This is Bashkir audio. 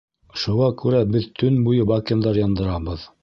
Шуға күрә беҙ төн буйы бакендар яндырабыҙ.